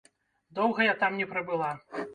Доўга я там не прабыла.